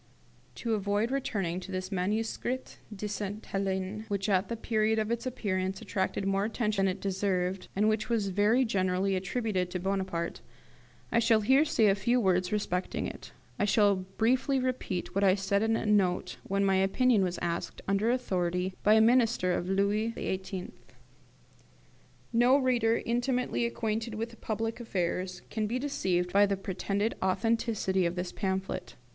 To avoid returning to this 'Manuscrit de Sainte Helene', which at the period of its appearance attracted more attention than it deserved, and which was very generally attributed to Bonaparte, I shall here say a few words respecting it. I shall briefly repeat what I said in a note when my opinion was asked, under high authority, by a minister of Louis XVIII. No reader intimately acquainted with public affairs can be deceived by the pretended authenticity of this pamphlet.